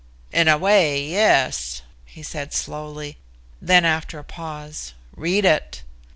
"In a way, yes," he said slowly. Then after a pause. "Read it."